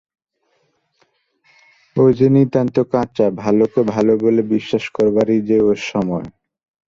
ও যে নিতান্ত কাঁচা, ভালোকে ভালো বলে বিশ্বাস করবারই যে ওর সময়।